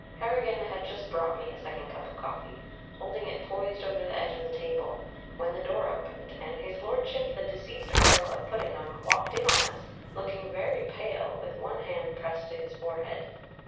Harrigan had just brought me a second cup of coffee, holding it poised over the edge of the table, when the door opened, and His Lordship, the deceased Earl of Puddingham, walked in on us, looking very pale, with one hand pressed to his forehead.